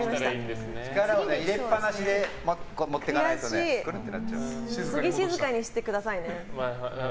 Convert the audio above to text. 力を入れっぱなしで持っていかないと次、静かにしてくださいね。